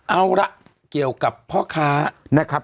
เอาละเกี่ยวกับพ่อค้า